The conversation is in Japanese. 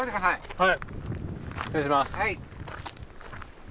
はい。